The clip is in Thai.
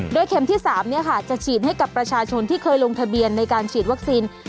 เข็มที่๓จะฉีดให้กับประชาชนที่เคยลงทะเบียนในการฉีดวัคซีน